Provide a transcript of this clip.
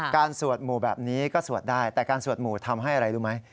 สวดหมู่แบบนี้ก็สวดได้แต่การสวดหมู่ทำให้อะไรรู้ไหม